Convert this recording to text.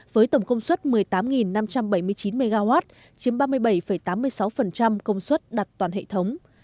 với tổng công suất một mươi tám năm trăm bảy mươi chín mw chiếm ba mươi bảy tám mươi sáu công suất đặt toàn hệ thống